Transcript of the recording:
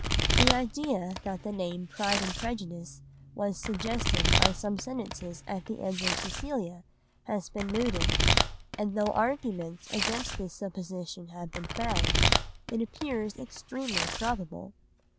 The idea that the name Pride and Prejudice was suggested by some sentences at the end of Cecilia has been mooted, and though arguments against this supposition have been found, it appears extremely probable.